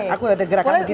aku ada gerakan begini